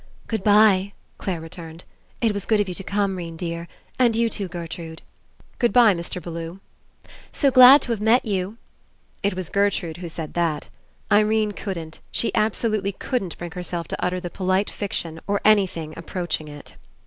"Good bye," Clare returned. "It was good of you to come, 'Rene dear. And you too, Gertrude." "Good bye, Mr. Bellew." ... "So glad to have met you." It was Gertrude who had said that. Irene couldn't, she absolutely couldn't bring herself to utter the polite fic tion or anything approaching it.